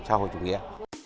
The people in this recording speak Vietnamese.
cho hội chủ nghĩa